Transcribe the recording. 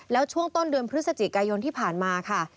แล้วช่วงต้นเดือนพฤศจิกายนที่ผ่านมาค่ะ